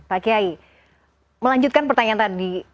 pak kiai melanjutkan pertanyaan tadi